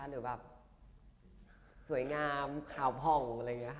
หรือแบบสวยงามขาวผ่องอะไรอย่างนี้ค่ะ